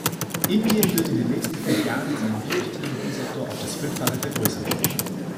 Indien wird in den nächsten fünf Jahren seinen Biotechnologiesektor auf das Fünffache vergrößern.